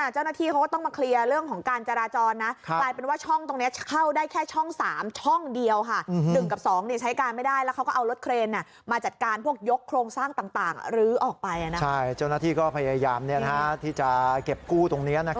ใช่เจ้าหน้าที่ก็ประยามซื้อที่จะเก็บกู้ตรงนี้